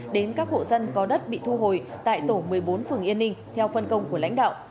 đến các hộ dân có đất bị thu hồi tại tổ một mươi bốn phường yên ninh theo phân công của lãnh đạo